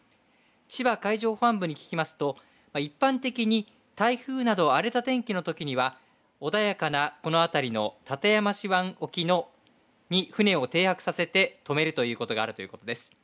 千葉海上保安部に聞きますと一般的に台風など荒れた天気のときには穏やかなこの辺りの館山市湾沖に船を停泊させて止めるということがあるということです。